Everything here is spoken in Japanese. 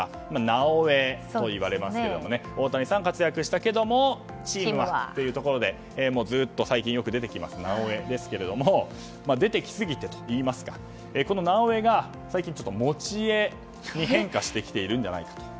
なおエといわれますが大谷さん、活躍したけどもチームはということでずっと最近よく出てくる「なおエ」ですが出てきすぎてといいますかこの「なおエ」が最近、「もちエ」に変化してきているんじゃないかと。